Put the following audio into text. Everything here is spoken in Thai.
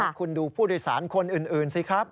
คุณดูผู้โดยสารคนอื่นสิครับ